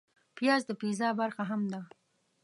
پیاز د پیزا برخه هم ده